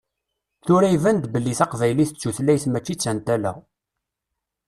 Tura iban-d belli taqbaylit d tutlayt mačči d tantala.